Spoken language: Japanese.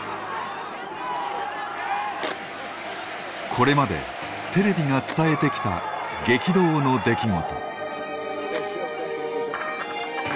これまでテレビが伝えてきた激動の出来事。